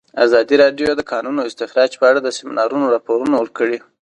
ازادي راډیو د د کانونو استخراج په اړه د سیمینارونو راپورونه ورکړي.